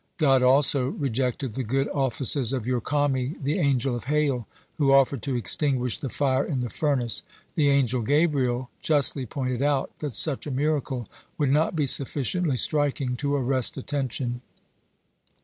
(86) God also rejected the good offices of Yurkami, the angel of hail who offered to extinguish the fire in the furnace. The angel Gabriel justly pointed out that such a miracle would not be sufficiently striking to arrest attention.